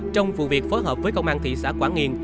trong vụ việc phối hợp với công an thị xã quảng yên